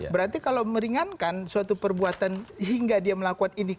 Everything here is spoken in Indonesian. berarti kalau meringankan suatu perbuatan hingga dia melakukan ini